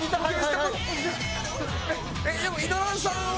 はい。